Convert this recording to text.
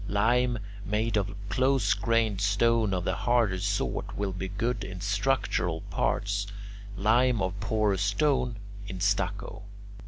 Lime made of close grained stone of the harder sort will be good in structural parts; lime of porous stone, in stucco.